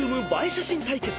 写真対決